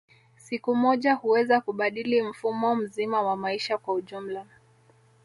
Siku moja huweza kubadili mfumo mzima wa maisha kwa ujumla